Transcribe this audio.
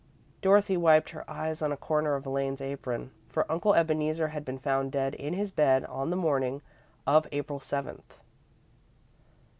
Dorothy wiped her eyes on a corner of Elaine's apron, for Uncle Ebeneezer had been found dead in his bed on the morning of April seventh.